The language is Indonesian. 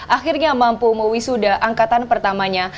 akhirnya mampu mewisuda angkatan pertamanya